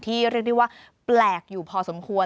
เรียกได้ว่าแปลกอยู่พอสมควร